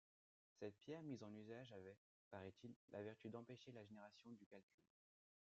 Cette pierre mise en usage avait, paraît-il, la vertu d'empêcher la génération du calcul.